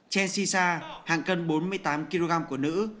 chen xisa hạng cân bốn mươi tám kg của nữ